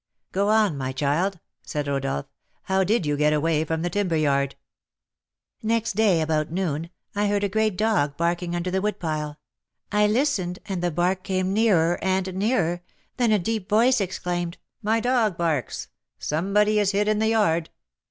"Go on, my child," said Rodolph. "How did you get away from the timber yard?" "Next day, about noon, I heard a great dog barking under the wood pile. I listened, and the bark came nearer and nearer; then a deep voice exclaimed, 'My dog barks, somebody is hid in the yard!'